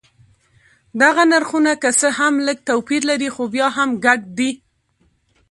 دغه نرخونه که څه هم لږ توپیر لري خو بیا هم ګډ دي.